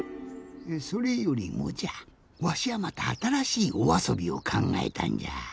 それよりもじゃわしはまたあたらしいおあそびをかんがえたんじゃ。